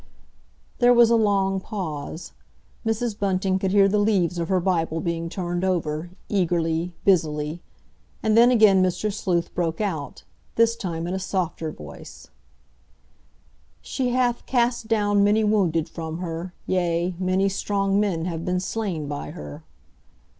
'" There was a long pause. Mrs. Bunting could hear the leaves of her Bible being turned over, eagerly, busily; and then again Mr. Sleuth broke out, this time in a softer voice: "'She hath cast down many wounded from her; yea, many strong men have been slain by her.